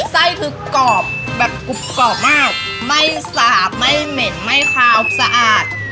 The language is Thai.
ไส้คือกรอบแบบกรุบกรอบมากไม่สาบไม่เหม็นไม่คาวสะอาด